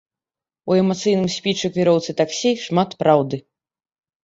У эмацыйным спічы кіроўцы таксі шмат праўды.